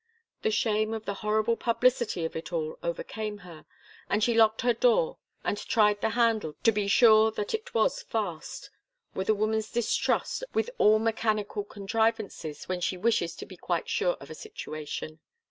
The shame of the horrible publicity of it all overcame her, and she locked her door, and tried the handle to be sure that it was fast with a woman's distrust of all mechanical contrivances when she wishes to be quite sure of a situation.